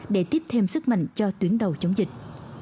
để tiếp thêm sức mạnh cho tuyến đầu chống dịch